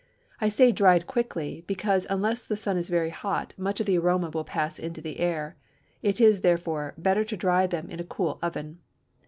I say dried quickly, because unless the sun is very hot much of the aroma will pass into the air; it is, therefore, better to dry them in a cool oven.